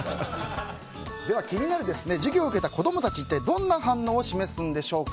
では、気になる授業を受けた子供たちどんな反応を示すんでしょうか。